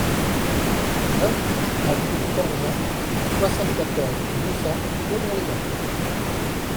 vingt-huit avenue de Corzent, soixante-quatorze, deux cents, Thonon-les-Bains